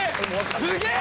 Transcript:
すげえ！